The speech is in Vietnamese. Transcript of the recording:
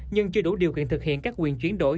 nhưng chưa đủ điều kiện thực hiện các quyền chuyển đổi